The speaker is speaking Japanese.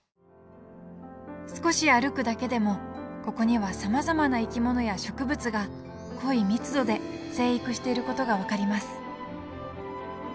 少し歩くだけでもここにはさまざまな生き物や植物が濃い密度で生育していることが分かります。